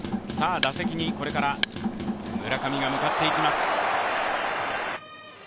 打席にこれから村上が向かっていきます。